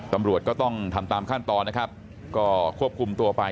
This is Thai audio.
ตำรวจก็ต้องทำตามขั้นตอนนะครับก็ควบคุมตัวไป